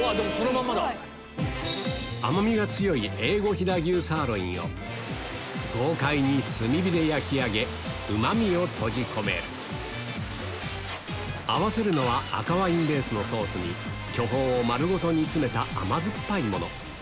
甘味が強い豪快に炭火で焼き上げうま味を閉じ込める合わせるのは赤ワインベースのソースに巨峰を丸ごと煮つめた甘酸っぱいもの